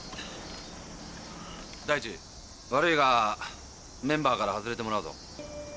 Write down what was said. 大地悪いがメンバーから外れてもらうぞ。